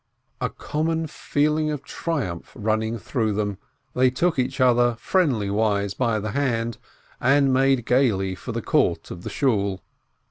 A common feeling of triumph running through them, they took each other friendly wise by the hand, and made gaily for the court of the Shool.